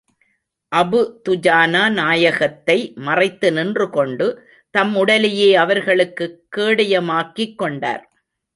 Abu Dujana நாயகத்தை மறைத்து நின்று கொண்டு, தம் உடலையே அவர்களுக்குக் கேடயமாக்கிக் கொண்டார்.